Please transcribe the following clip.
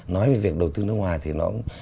nói về việc đầu tư nước ngoài thì nó